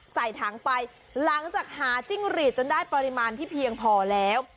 ใส่ถังไปหลังจากหาจิ้งหรีดจนได้ปริมาณที่เพียงพอแล้ว